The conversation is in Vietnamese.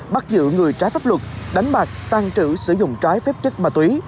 bắt giữ người trái pháp luật đánh bạc tàn trữ sử dụng trái phép chất ma túy